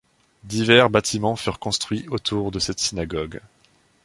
Divers bâtiments furent construits autour de cette synagogue.